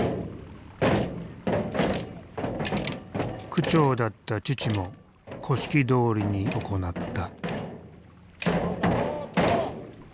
区長だった父も古式どおりに行った。